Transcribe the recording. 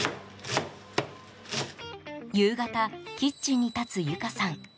夕方、キッチンに立つ由香さん。